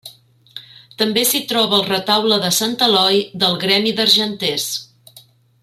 També s'hi troba el retaule de sant Eloi del gremi d'argenters.